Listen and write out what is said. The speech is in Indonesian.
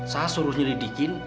saya suruh nyelidikin